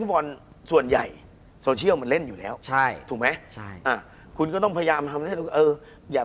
คุณผู้ชมบางท่าอาจจะไม่เข้าใจที่พิเตียร์สาร